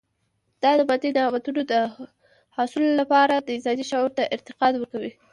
دا د مادي نعمتونو د حصول لپاره د انسان شعور ته ارتقا ورکوي.